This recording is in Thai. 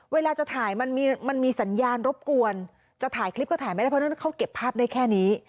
เวลาจะถ่ายมันมีสัญญาณรบกวนจะถ่ายคลิปก็ถ่ายไม่ได้เพราะฉะนั้นเขาเก็บภาพได้แค่นี้